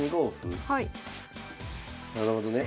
なるほどね。